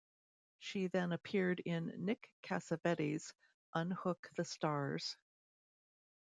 She then appeared in Nick Cassavetes's "Unhook the Stars".